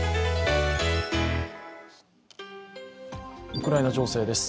ウクライナ情勢です。